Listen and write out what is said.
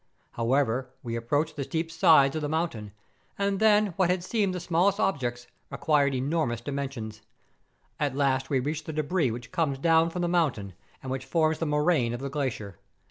However, we approached the steep sides of the mountain, and then what had seemed the smallest ob¬ jects acquired enormous dimensions. At last we 134 MOUNTAIN ADVENTUKES. reached the debris which comes down from the moun¬ tain, and which forms the moraine of the glacier.